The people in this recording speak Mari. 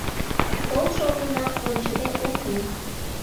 Толшо унам ончыде ок лий.